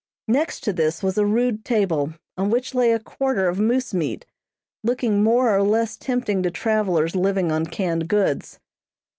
Next to this was a rude table, on which lay a quarter of moose meat, looking more or less tempting to travelers living on canned goods.